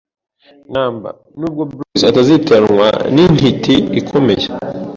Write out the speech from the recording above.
numberNubwo Bruce atazitiranwa n intiti ikomeye